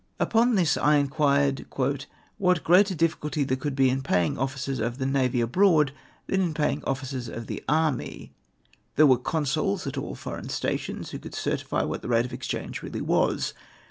Upon this I inquh ed " what greater difficulty there could be in papng officers of the navy abroad than in paying officers of the army ? There were consuls at all the foreign stations, who could certify what the rate of exchange really was.